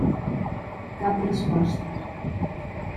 Cap resposta.